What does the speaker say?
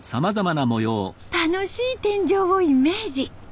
楽しい天井をイメージ。